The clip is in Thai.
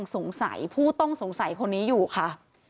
สงสัยผู้ต้องสงสัยคนนี้อยู่ค่ะ